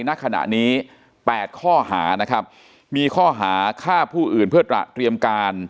ณขณะนี้๘ข้อหานะครับมีข้อหาฆ่าผู้อื่นเพื่อตระเตรียมการ